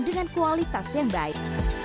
dengan kualitas yang baik